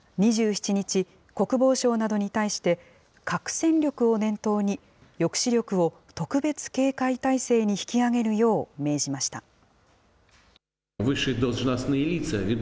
２７日、国防相などに対して、核戦力を念頭に抑止力を特別警戒態勢に引き上げるよう命じました。